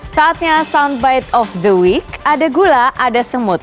saatnya soundbite of the week ada gula ada semut